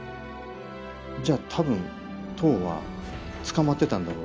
じゃあ多分トウは捕まってたんだろう。